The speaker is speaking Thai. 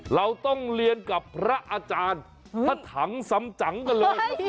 เราต้องเรียนกับพระอาจารย์ถ้าถังซ้ำจังกันเลย